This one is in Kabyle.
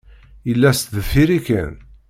Yella sdeffir-i kan.